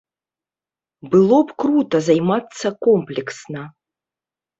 Было б крута займацца комплексна.